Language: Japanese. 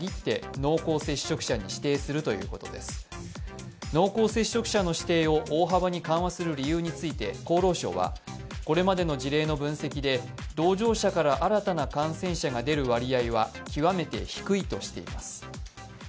濃厚接触者の指定を大幅に緩和する理由について厚労省は、これまでの事例の分析で同乗者から新たな感染者が出る割合は極めて低いとしています。